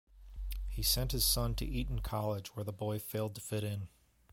He sent his son to Eton College, where the boy failed to fit in.